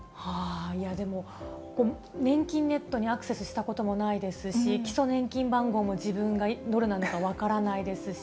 いやでも、ねんきんネットにアクセスしたこともないですし、基礎年金番号も自分がどれなのか分からないですし。